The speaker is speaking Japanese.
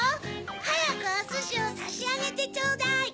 はやくおすしをさしあげてちょうだい！